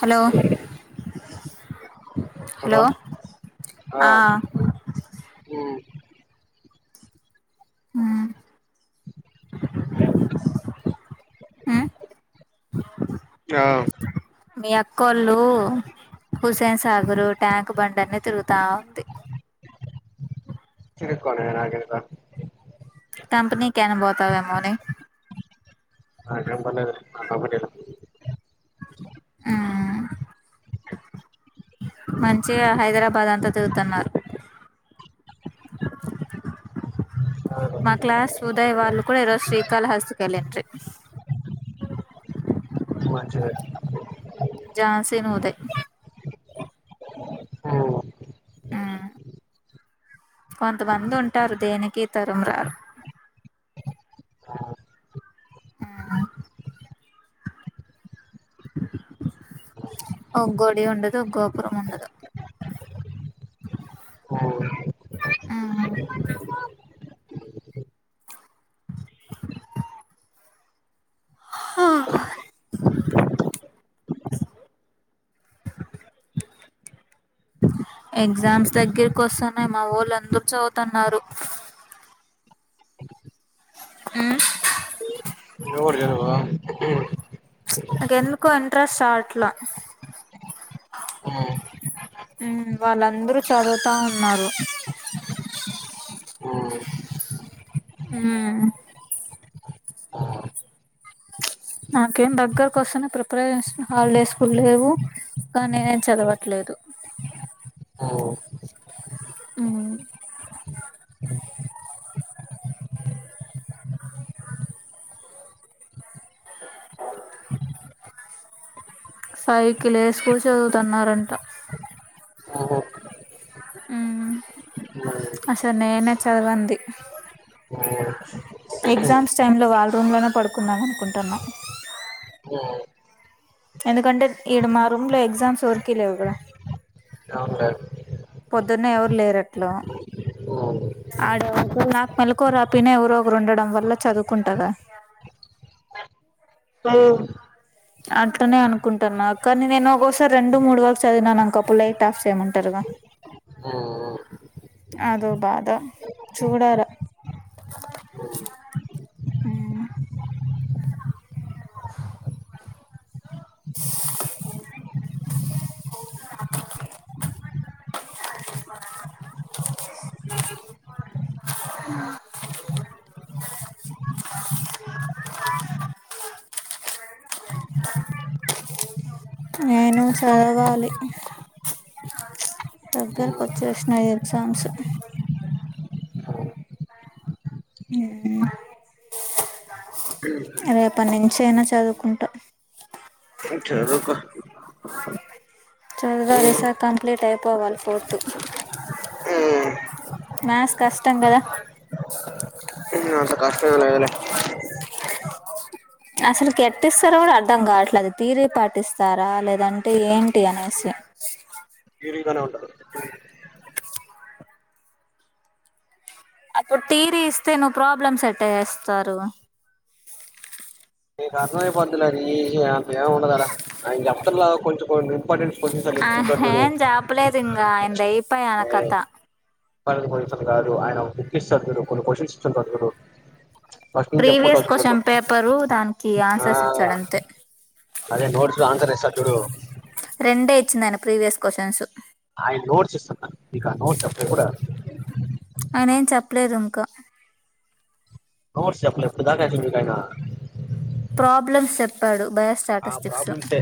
Hello hello ఆ ఉ [unintelligible] yeah మీ అక్కళ్ళు హుస్సేన్ సాగర్, ట్యాంక్ బండ్ అన్ని తిరుగుతా ఉంది. తరుక్కోన్ని నాకెందుకు, కంపేనీ కేనా బోతావేమో అని నాకేం [unintelligible] హు మంచిగా హైదరాబాద్ పదంతా తిరుగుతున్నారు, మా క్లాస్ ఉదయ్ వాళ్ళు కూడా ఈరోజు శ్రీకాళ హస్తీ వేలిండ్రి, [unintelligible] మంచిది జాసిన్, ఉదయ్ ఆ ఊ కొంతమంది ఉంటారు దేనికి తరూముకారు హుమ్ [unintelligible] ఒగోడి ఉండదు, ఒ గోపురం ఉండదు, హుమ్ [unintelligible] [unintelligible] [unintelligible] ఎగ్జామ్స్ దగ్గరకి వస్తున్నై మా ఒళ్లు అందరు చవుతన్నారు. మ్. నువ్వు కూడా వెళవో నాకు ఎందుకో ఇంట్రెస్ట్ రావట్ల. ఉమ్ వాళ్ళందరూ చదువుతా ఉన్నారు. [unintelligible] ఊ నాకేం దగ్గరకు వస్తనే ప్రిపరేష హాలిడేస్ కుడా లేవు, కానీ ఎం చదవట్లేదు, [unintelligible] ఉమ్ [unintelligible] ఫైకి లేసి కుడ్ చదువుతన్నారంట. ఉమ్ అస్సలు నేనే చదవంది. ఎగ్జామ్స్ టైమ్ లో వాళ్ళ రూమ్ లోనే పాడుకుందాం అనుకుంటన్నం. ఎందుకంటె ఈడ మా రూమ్ లో ఎక్సామ్స్ ఎవర్కి లేవు గా. కామ్ కాదు. పొద్దున్నే ఎవరు లేరట్లు. ఆడ ఒకవేళ నాకు మెలుకువ రాపోయిన, ఎవరో ఒకరు ఉండడం వల్ల చదువుకుంటగా. ఉమ్. అట్లనే అనుకుంటాన. కానీ, నేను ఒగొసారి రెండు మూడు వరకు చదివినాన్ అనుకో, అప్పుడు లైట్ ఆఫ్ చేయమంటారుగా. మ్. అదో బాధ చూడాల. మ్. నేను చదవాలి. దగ్గరకు వచ్చేసినాయి ఎగ్జామ్స్. మ్ హు. రేపటి నించైన చదువుకుంటా. మ్ చదువుకో చదవాలి ఈసారి కంప్లీట్ అయిపోవాలి ఫోర్ టు. మ్యాథ్స్ కష్టం కదా. అంత కష్టమేమీ లేదు లే. అసలకెట్టిస్తారో కూడా అర్ధం కావట్ల అది. తీయరీ పాటిస్తారా లేదంటే ఏంటి అనేసి. ది గేరే అప్పుడు థియరీ ఇస్తే నువ్వు ప్రాబ్లమ్స్ ఎట్టా చేస్తారు. నీకు అర్థమై పొద్దిలే ఈజీగా, అంత ఏం ఉండదు ఆడ. నేను చెప్తుండ్ల, కొంచం కొన్ని ఇంపార్టెంట్. క్వశ్చన్స్ అని ఆ చెప్తుంటాడు హా చూడు ఏం చెప్పలేదు ఇంగ ఆయనది అయిపాయ ఆడ ఏ కత. [unintelligible] కాదు ఆయన ఓ బుక్ ఇస్తాడు చూడు, కొన్ని క్వషన్స్ ఇచ్చుంటాడు చూడు. ఫస్ట్ నుంచి చెప్పుకుంటా ప్రీవియస్ వచ్చుకుంటు క్వషన్ పేపరు దానికి ఆ ఆన్సర్స్ ఇచ్చాడంతే. అదే నోట్స్ లో ఆన్సర్ ఇస్తాడు చూడు. రెండే ఇచ్చిందైన ప్రీవియస్ కోషన్సు. ఆయ నోట్స్ ఇస్తాన్న నీక. నోట్స్ అప్ ఎప్పుడ. ఆయనేం చెప్పలేదు ఇంకా. నోట్స్ చెప్పాలేదు కదా మేబి మీకాయన. ప్రాబ్లమ్స్ చెప్పాడు బయోస్టార్ ఆ ప్రాబ్లమ్స్ ఎ.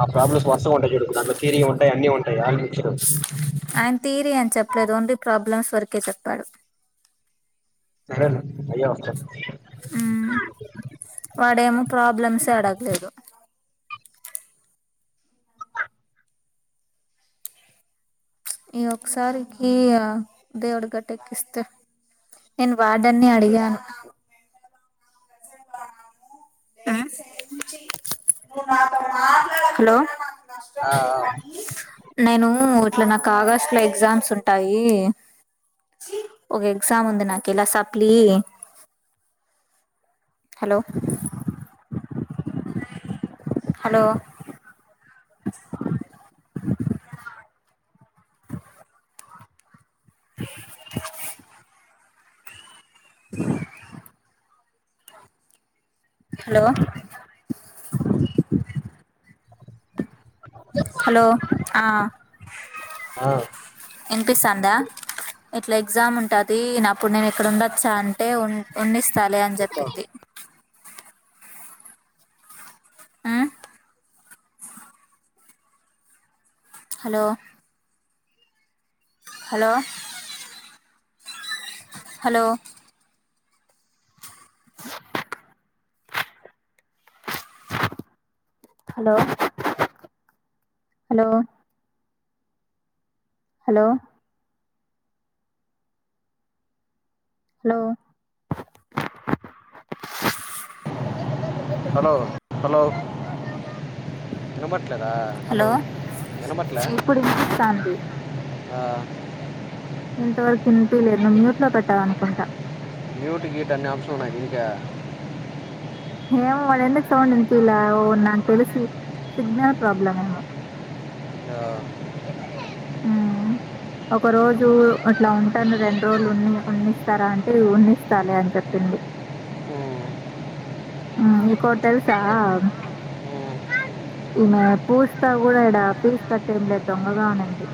ఆ ప్రాబ్లమ్స్ వర్సగుంటాయి చూడు, దాంట్లో థియరీ ఉంటాయి అన్ని ఉంటాయి ఆనివి ఇచ్చిర్రు. ఆయన తీయరి అని చెప్పలేదు. ఓన్లీ ప్రాబ్లమ్స్ వరకే చెప్పాడు. సరేలే అయ్యే వస్తాయి. మ్ వాడేమో ప్రాబ్లమ్సే అడగలేదు. ఈ ఒకసారికి దేవుడు గట్టెక్కిస్తే, నేను వార్డెన్ ని అడిగాను. మ్ హలో ఆ నేను ఇట్ల నాకి ఆగస్ట్ లో ఎగ్జామ్స్ ఉంటాయి. ఓక ఎక్సామ్ ఉంది నాకు ఇలా supply. Hello hello hello hello ఆ ఆ వినిపిస్తాందా? ఇట్ల ఎగ్జామ్ ఉంటాది. అప్పుడు నేను ఇక్కడ ఉండొచ్చా అంటే, ఉన్నిస్ సలే అని ఆ చెప్పింది ఆ hello hello hello hello hello hello hello hello hello నామ ద హలో వినబడత్లే ఇప్పుడు వినిపిస్తాంది ఇంతవరకు ఇనిపిలేదు నువ్వు మ్యూట్ లో పెట్టావ అనుకుంటా మ్యూట్ గీట్ అనే అంశంన్నాదిక ఏమో మడ ఎందకు సౌండ్ ఇంపిలా ఓ నా తెలిసి సిగ్నల్ ప్రాబ్లమ్ ఏమో ఆ ఉమ్ ఒక రోజు అట్లా ఉంటాను రెండు రోజులు ఉన్ని ఉండిస్తారా అంటే వండిస్తాలి అని చెప్ప చెప్పింది ఆ ఆ నీకొకటి తెలుసా ఉమ్. ఈమె పూస్ తా కూడా ఇడ పీస్ కట్టే ఏం లేదు దొంగగా ఉనింది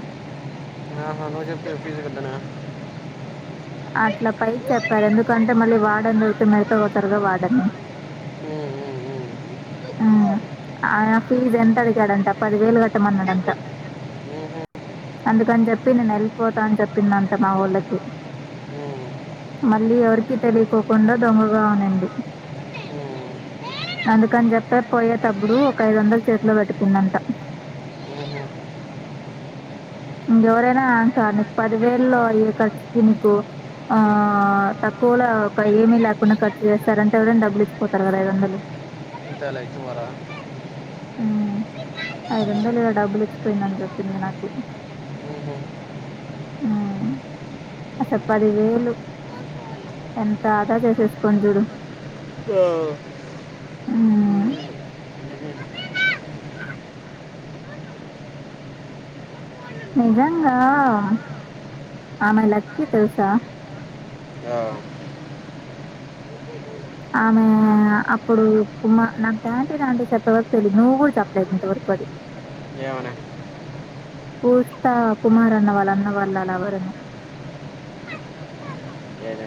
[unintelligible] అట్లా పైకి చెప్పారు ఎందుకంటే మళ్ళీ వాడ దొరుతే మెత పోతారుదా వాడని ఉమ్, ఉమ్, ఉమ్. ఆన ఫీజ్ ఎంతది కాడంట పది వేలు కట్టమన్నాడంత ఉమ్, అందుకని చెప్పి నేను వెళ్ళిపోతానని చెప్పింది అంట మా వొళ్ళకి ఉమ్. మళ్ళీ ఎవరికి తెలియకోకుండా దొంగగా ఉనండి అందుకని చెప్ప పు పోయేటప్పుడు ఒక ఐదు వందల చేతిలో పేటి పోయింది అట ఇంకెవరైనా ఇంకా నీకు పదివేల్లో అయ్యే ఖర్చుకి నీకు ఆ తక్కువలో ఏమీ లేకుండా కట్ చేస్తారంటే ఎవరనా డబ్బులు ఇచ్చిపోతారు కదా ఐదు వందలు అంతలాతు మార అ ఐదు వందలు డబ్బులు ఇచ్చిపోయిందని చెప్పింది నాకి ఉహు స పదివేలు ఎంత అదా చేసేసుకు చూడు ఆ ఆ నిజాంగా ఆమె లక్కీ తెలుసా ఆమె అప్పుడు కుమా నాకు డాంటీంటీ చెప్పే వరకు తెలిదు నువ్వు కూడా చెప్పలేదు ఇంతవరకు ఒకది ఏమనీ పూస్త కుమార్ అన్న వాళ్ళు అన్న వాళ్ళ లవర్ అని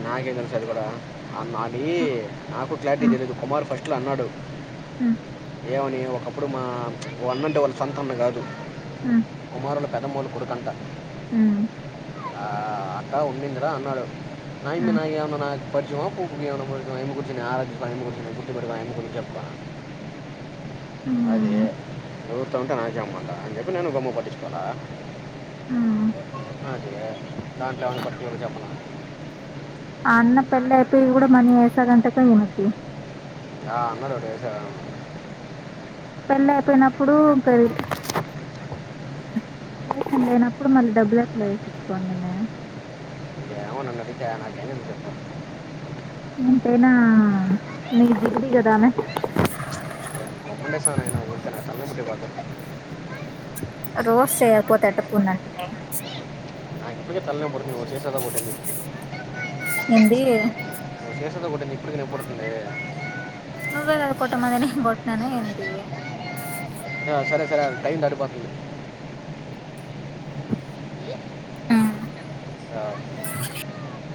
నాకేందనా చదివు కూడారా నా అని ఉమ్. నాకు క్లారిటీ తెలీయదు కుమార్ ఫస్ట్లో అన్నాడు ఆ ఏమని ఒకప్పుడు మా వాళ్న్నంటే వాళ్ళ సంతాన్న కాదు కుమారుల పెదమూలు కొడుకుంటడా ఉ ఆ అక్క ఉడిందరా అన్నాడు నాంది హ్మ్. నా అంద నా [unintelligible] చెప్ప అదే హ్మ్. నవ్వుత ఉంటే నాకే అమాట అని చెప్పి నేను గమ్మున పట్టించుకోల హ్మ్. అ దానికే పర్టిక్యులర్ గా చెప్పనా ఆ అన్న పెళ్ళి అయిపోయి కూడా మనీ వేస్తాడంట గా ఈమెకి ఆ [unintelligible] ఎడసా పెళ్లి అయిపోయినప్పుడు ఇంకా లేనప్పుడు మళ్ళీ డబ్బులు ఎట్లా ఏపీచుకొందీ ఈమె ఏమో నన్నడిగితే ఆయన కే [unintelligible] ఎంతైనా నీకు జిగిడి గదా ఆమె [unintelligible] నాకు తల నొప్పి లే బాబు రోజ్ చేయకపోతే [unintelligible] ఏంది [unintelligible] ఎప్పుడుకనేప్పుడుతుండ నువ్వే కదా కొట్టమనింది నేన్ కొట్టిననా ఏంటి ఆ సరే సరే అ టైం దాటిపోతుంది ఆ ఆ